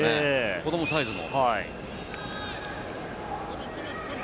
子どもサイズも。